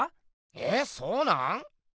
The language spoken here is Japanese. えっそうなん⁉